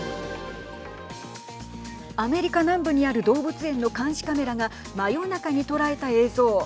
アメリカ南部にある動物園の監視カメラが真夜中に捉えた映像。